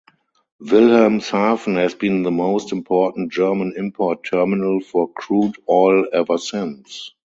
Wilhelmshaven has been the most important German import terminal for crude oil ever since.